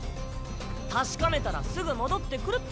確かめたらすぐ戻ってくるって。